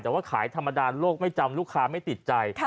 แต่ว่าขายธรรมดาโลกไม่จำลูกค้าไม่ติดใจ